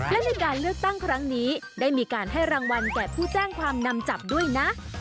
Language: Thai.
และในการเลือกตั้งครั้งนี้ได้มีการให้รางวัลแก่ผู้แจ้งความนำจับด้วยนะ